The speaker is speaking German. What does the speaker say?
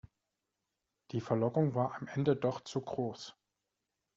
Die Verlockung war am Ende doch zu groß.